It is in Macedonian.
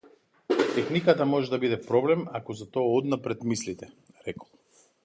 Техниката може да биде проблем ако за тоа однапред мислите, рекол.